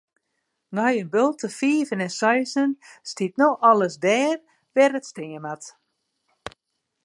Nei in bulte fiven en seizen stiet no alles dêr wêr't it stean moat.